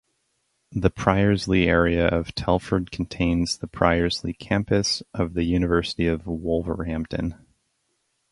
The Priorslee area of Telford contains the Priorslee Campus of the University of Wolverhampton.